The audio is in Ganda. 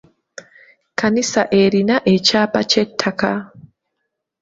Kkanisa erina ekyapa ky'eettaka.